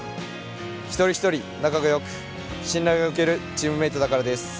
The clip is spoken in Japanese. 一人一人、仲がよく、信頼が置けるチームメイトだからです。